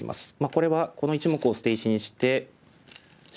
これはこの１目を捨て石にしてシボリですね。